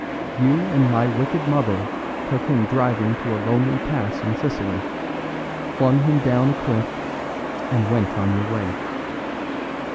You and my wicked mother took him driving to a lonely pass in Sicily, flung him down a cliff, and went on your way.